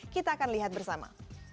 kita akan lihat bersama